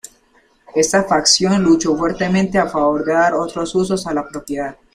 Esta facción luchó fuertemente a favor de dar otros usos a la propiedad.